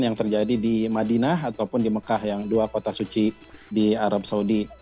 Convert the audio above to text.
yang terjadi di madinah ataupun di mekah yang dua kota suci di arab saudi